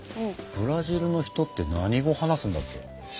ブラジルの人って何語話すんだっけ？